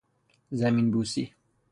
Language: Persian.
زمین بوسی